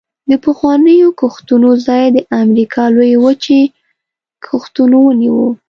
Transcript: د پخوانیو کښتونو ځای د امریکا لویې وچې کښتونو ونیو